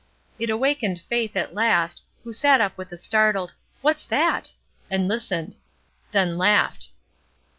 It awakened Faith, at last, who sat up with a startled ''What's that?'' and listened; then laughed.